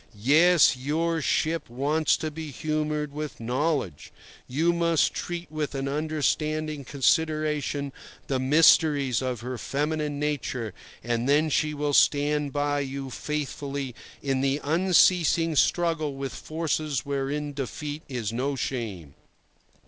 Yes, your ship wants to be humoured with knowledge. You must treat with an understanding consideration the mysteries of her feminine nature, and then she will stand by you faithfully in the unceasing struggle with forces wherein defeat is no shame.